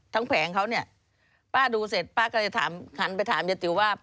ทั้งแผงเขาป้าดูเสร็จป้าก็เลยถามขันไปถามเยอร์ติ๋วว่า